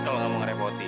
kalau kamu ngerepotin